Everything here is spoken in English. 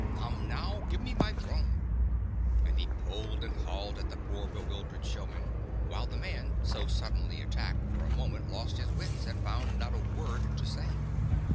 Come, now, give me my drum !" And he pulled and hauled at the poor bewildered showman, while the man so suddenly attacked for a moment lost his wits, and found not a word to say.